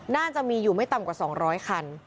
น่าจะมีอยู่ไม่ต่ำกว่า๒๐๐คัน